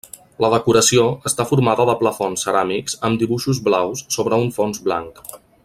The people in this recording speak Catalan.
La decoració està formada de plafons ceràmics amb dibuixos blaus sobre un fons blanc.